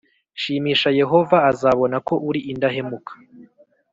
shimisha Yehova azabona ko uri indahemuka